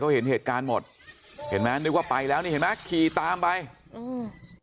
เห็นเหตุการณ์หมดเห็นไหมนึกว่าไปแล้วนี่เห็นไหมขี่ตามไปอืม